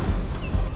terus kita cari